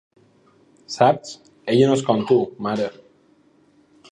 Saps? Ella no és com tu, mare.